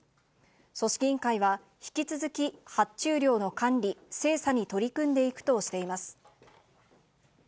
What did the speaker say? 組織委員会は、引き続き発注量の管理・精査に取り組んでいくとしています。